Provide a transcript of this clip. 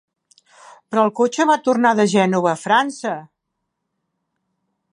Però el cotxe va tornar de Gènova a França!